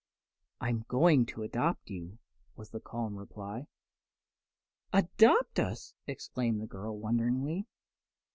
"I'm going to adopt you," was the calm reply. "Adopt us!" exclaimed the girl, wonderingly.